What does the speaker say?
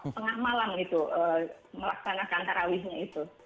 tengah malam gitu melaksanakan terawihnya itu